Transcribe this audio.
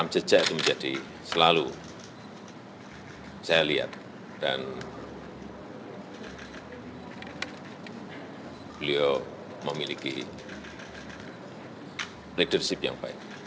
selalu saya lihat dan beliau memiliki leadership yang baik